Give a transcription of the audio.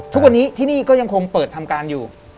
ทุกวันนี้ที่นี่ก็ยังคงเปิดทำการอยู่